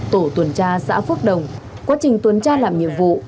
tổ tuần tra xã phước đồng quá trình tuần tra làm nhiệm vụ